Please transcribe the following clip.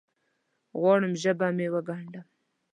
غواړم ژبه مې وګنډم